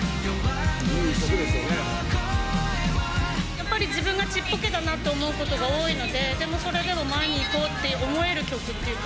やっぱり自分がちっぽけだなと思うことが多いので、でも、それでも前に行こうって思える曲っていうか。